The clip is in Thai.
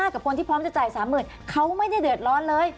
กับคนที่พร้อมจะจ่าย๓๐๐๐เขาไม่ได้เดือดร้อนเลย